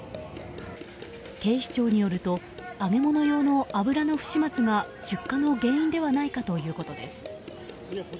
警視庁によると揚げ物用の油の不始末が出火の原因ではないかということです。